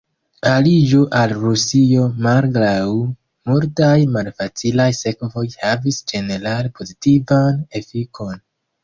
Aliĝo al Rusio malgraŭ multaj malfacilaj sekvoj havis ĝenerale pozitivan efikon.